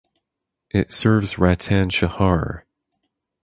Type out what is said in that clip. It serves Ratan Shahar.